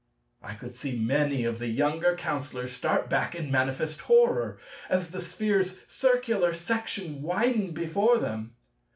I could see many of the younger Counsellors start back in manifest horror, as the Sphere's circular section widened before them.